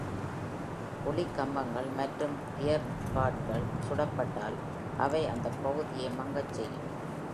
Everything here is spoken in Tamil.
ஒளி கம்பங்கள் மற்றும் ஃபயர்பாட்கள் சுடப்பட்டால், அவை அந்த பகுதியை மங்கச் செய்யும்.